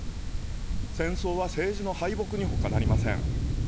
戦争は政治の敗北にほかなりません。